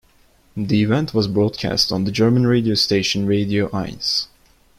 The event was broadcast on the German radio station Radio Eins.